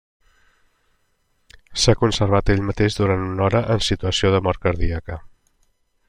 S'ha conservat ell mateix durant una hora en situació de mort cardíaca.